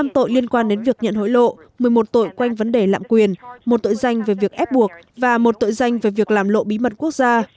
một mươi tội liên quan đến việc nhận hối lộ một mươi một tội quanh vấn đề lạm quyền một tội danh về việc ép buộc và một tội danh về việc làm lộ bí mật quốc gia